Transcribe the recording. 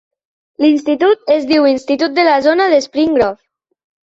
L'institut es diu Institut de la Zona de Spring Grove.